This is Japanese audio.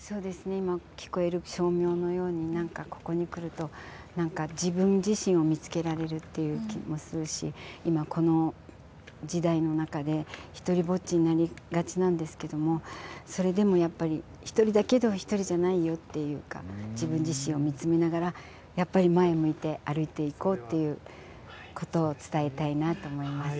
今、聴こえる声明のようにここに来ると自分自身を見つけられるっていう気もするし今、この時代の中で独りぼっちになりがちなんですけどそれでもやっぱり、一人だけど一人じゃないよっていうか自分自身を見つめながら前を向いて歩いていこうっていうことを伝えたいなと思います。